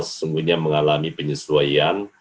sesungguhnya mengalami penyesuaian